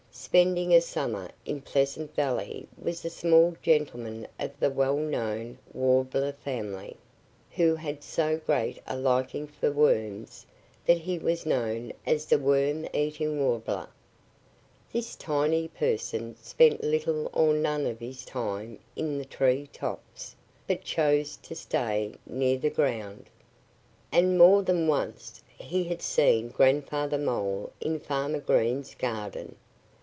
Spending a summer in Pleasant Valley was a small gentleman of the well known Warbler family, who had so great a liking for worms that he was known as the Worm eating Warbler. This tiny person spent little or none of his time in the tree tops, but chose to stay near the ground. And more than once he had seen Grandfather Mole in Farmer Green's garden.